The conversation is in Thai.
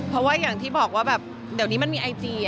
เพราะว่าอย่างที่บอกว่าแบบเดี๋ยวนี้มันมีไอจี